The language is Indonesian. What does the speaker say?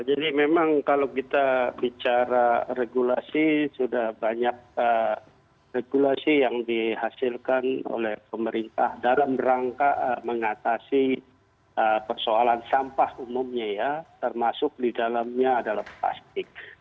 jadi memang kalau kita bicara regulasi sudah banyak regulasi yang dihasilkan oleh pemerintah dalam rangka mengatasi persoalan sampah umumnya ya termasuk di dalamnya adalah plastik